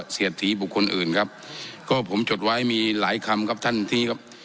เสียดสีบุคคลอื่นครับก็ผมจดไว้มีหลายคำครับท่านที่ครับ